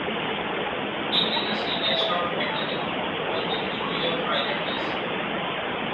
Tim is a senior staff attorney for the New York Islanders.